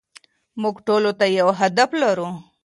موږ ټولو ته يو هدف لرو.